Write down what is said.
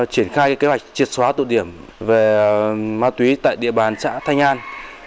đội cảnh sát phòng chống tội phạm về ma túy tại địa bàn xã thanh an